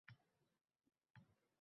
Oxiri yozganman.